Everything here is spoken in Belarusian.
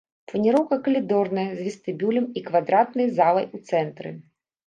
Планіроўка калідорная з вестыбюлем і квадратнай залай у цэнтры.